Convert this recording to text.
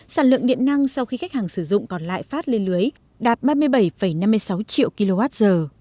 sản lượng điện năng sau khi khách hàng sử dụng còn lại phát lên lưới đạt ba mươi bảy năm mươi sáu triệu kwh